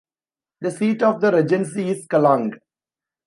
The seat of the regency is Calang.